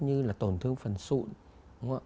như là tổn thương phần sụn